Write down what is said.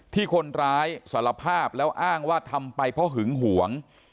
ที่คนร้ายสารภาพแล้วอ้างว่าทำไปเพราะหึงหวง